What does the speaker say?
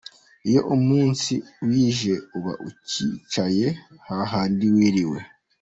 Iyo umunsi wije, uba ucyicaye hahandi wiriwe.